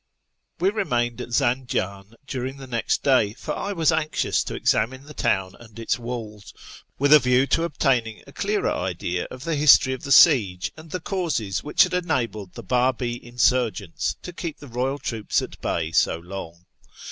"We remained at ZanjVin during the next day, for I was anxious to examine the town and its walls, with a view to obtaining a clearer idea of the history of the siege, and the causes which had enabled the Babi insurgents to keep the royal troops at bay so long.